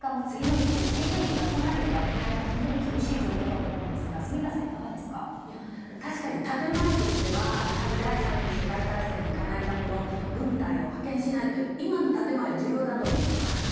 次の一手次々と出さなければいけないと本当に厳しい状況だと思うんですが確かに建前としては第３次世界大戦にいかないための軍隊を派遣しないと、今の建前は重要だと思っています。